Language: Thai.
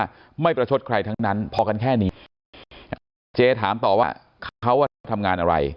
ว่าไม่ประชดใครทั้งนั้นพอกันแค่นี้เจถามต่อว่าเขาอ่ะชอบทำงานอะไร